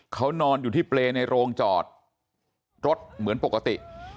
เขานอนอยู่ที่เปรย์ในโรงจอดรถเหมือนปกติ